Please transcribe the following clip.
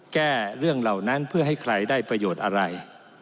แก้เรื่องเหล่านั้นเพื่อให้ใครได้ประโยชน์อะไร